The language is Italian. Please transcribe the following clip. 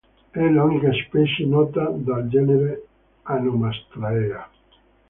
È l'unica specie nota del genere Anomastraea.